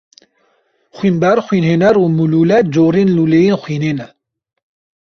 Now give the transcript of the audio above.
Xwînber, xwînhêner û mûlûle corên lûleyên xwînê ne.